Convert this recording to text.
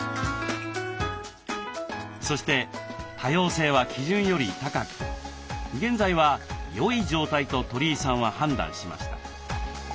そして多様性は基準より高く現在はよい状態と鳥居さんは判断しました。